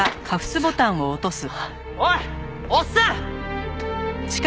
おいおっさん！